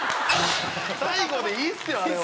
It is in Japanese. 最後でいいっすよあれは。